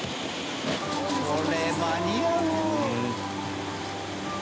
これ間に合う？